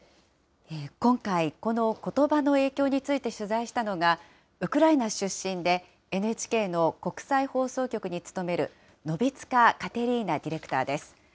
今回、このことばの影響について取材したのが、ウクライナ出身で、ＮＨＫの国際放送局に勤めるノヴィツカ・カテリーナディレクターです。